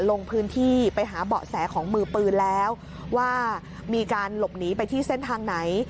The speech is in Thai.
ลงพื้นที่ไปหาเบาะแสของมือปืนแล้วว่ามีการหลบหนีไปที่เส้นทางไหน